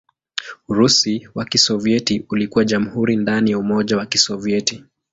Urusi wa Kisovyeti ulikuwa jamhuri ndani ya Umoja wa Kisovyeti.